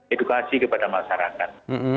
edukasi kepada masyarakat